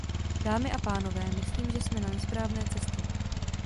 Dámy a pánové, myslím, že jsme na nesprávné cestě.